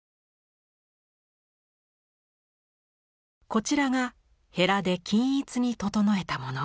こちらがへラで均一に整えたもの。